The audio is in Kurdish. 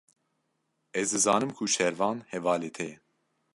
Ez dizanim ku Şervan hevalê te ye.